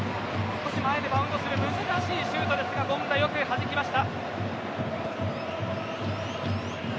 少し前でバウンドする難しいシュートでしたが権田、よくはじきました。